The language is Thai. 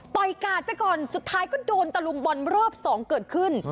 กาดไปก่อนสุดท้ายก็โดนตะลุมบอลรอบสองเกิดขึ้น